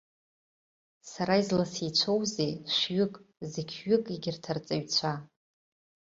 Сара изласеицәоузеи шәҩык, зқьҩык егьырҭ арҵаҩцәа.